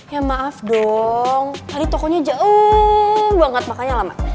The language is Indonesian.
ya maaf dong tadi tokonya jauh banget makanya lama